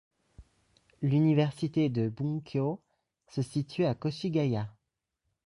L'université de Bunkyo se situe à Koshigaya.